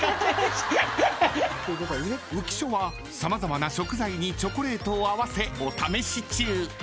［浮所は様々な食材にチョコレートを合わせお試し中］